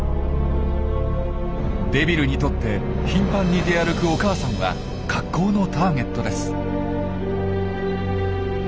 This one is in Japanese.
デビルにとって頻繁に出歩くお母さんは格好のターゲットです。